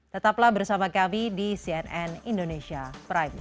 tetaplah bersama kami di cnn indonesia primers